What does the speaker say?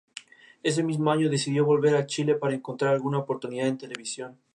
Se encuentra en Anhui, Fujian, Guangdong, Guangxi, Guizhou, Hainan, Henan, Hubei, Hunan, Jiangxi, Zhejiang.